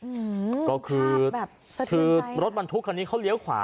อื้อหือภาพแบบสะทืนใจนะครับคือรถบรรทุกคนนี้เขาเลี้ยวขวา